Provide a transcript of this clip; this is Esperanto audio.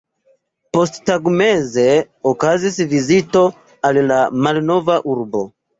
Posttagmeze okazis vizito al la malnova urbo.